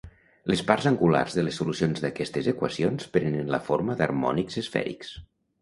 Les parts angulars de les solucions d'aquestes equacions prenen la forma d'harmònics esfèrics.